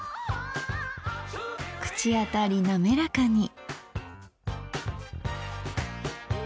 口当たり滑らかに。